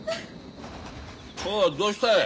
おうどうしたい。